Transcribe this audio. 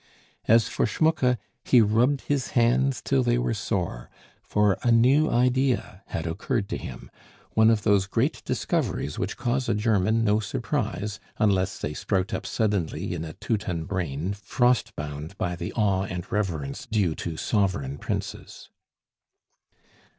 As for Schmucke, he rubbed his hands till they were sore; for a new idea had occurred to him, one of those great discoveries which cause a German no surprise, unless they sprout up suddenly in a Teuton brain frost bound by the awe and reverence due to sovereign princes.